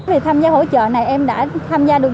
thì tham gia hỗ trợ này em đã tham gia được